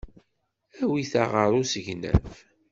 Awit-aɣ ɣer usegnaf.